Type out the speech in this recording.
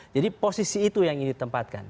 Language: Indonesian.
jadi posisi itu yang ingin ditempatkan